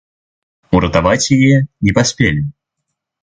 Уратаваць яе не паспелі.